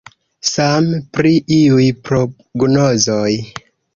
Same pri iuj prognozoj.